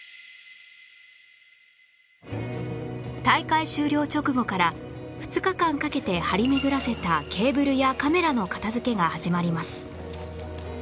大会終了直後から２日間かけて張り巡らせたケーブルやカメラの片付けが始まります